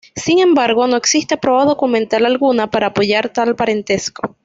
Sin embargo, no existe prueba documental alguna para apoyar tal parentesco.